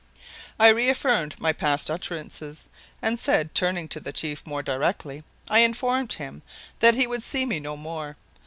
I re affirmed my past utterances and, turning to the chief more directly, I informed him that he would see me no more.